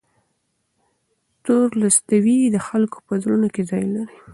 تولستوی د خلکو په زړونو کې ځای لري.